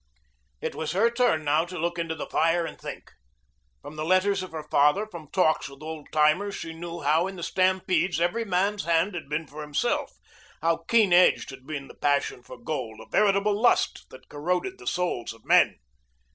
It was her turn now to look into the fire and think. From the letters of her father, from talks with old timers she knew how in the stampedes every man's hand had been for himself, how keen edged had been the passion for gold, a veritable lust that corroded the souls of men.